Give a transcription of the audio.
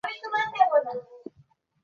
জিনিসপত্র এখানেই আছে।